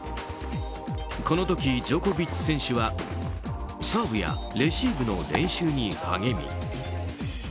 この時、ジョコビッチ選手はサーブやレシーブの練習に励み